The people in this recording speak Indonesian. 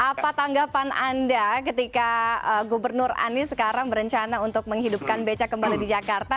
apa tanggapan anda ketika gubernur anies sekarang berencana untuk menghidupkan beca kembali di jakarta